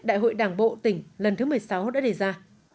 đại hội đảng bộ tỉnh lần thứ một mươi sáu đã đề ra